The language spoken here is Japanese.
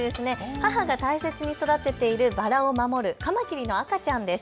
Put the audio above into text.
母が大切に育てているバラを守るカマキリの赤ちゃんです。